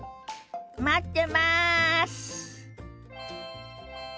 待ってます！